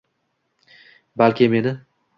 Balki meni